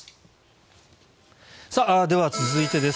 では続いてです。